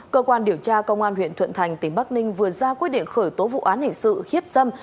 cơ quan điều tra công an huyện thuận thành tỉnh bắc ninh vừa ra quyết định khởi tố vụ án hình sự hiếp dâm